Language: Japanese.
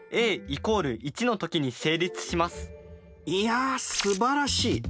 いやすばらしい！